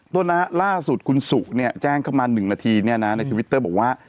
ต้นนะล่าสุดคุณสุเนี่ยแจ้งเข้ามา๑นาทีเนี่ยนะในทวิตเตอร์บอกว่า